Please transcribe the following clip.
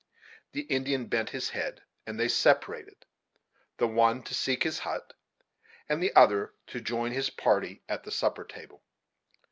The Indian bent his head, and they separated the one to seek his hut, and the other to join his party at the supper table.